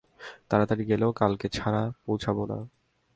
তাড়াতাড়ি গেলেও কালকে ছাড়া পৌছাবো না।